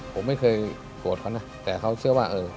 ผมไม่เคยโกรธเขานะแต่เขาเชื่อว่าเออ